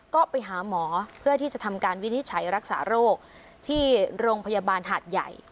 ก็ไปหาหมอเพื่อที่จะทำการวินิจฉัยรักษาโรคที่โรงพยาบาลหาดใหญ่